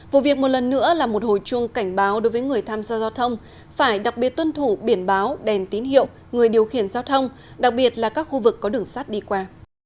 vụ việc một lần nữa là một hồi chuông cảnh báo đối với người tham gia giao thông phải đặc biệt tuân thủ biển báo đèn tín hiệu người điều khiển giao thông đặc biệt là các khu vực có đường sắt đi qua